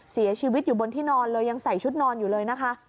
เสียชีวิตอยู่บนที่นอนเลยยังใส่ชุดนอนอยู่เลยนะคะ